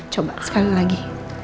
coba sekali lagi